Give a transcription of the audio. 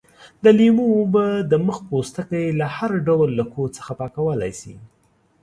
د لیمو اوبه د مخ پوستکی له هر ډول لکو څخه پاکولای شي.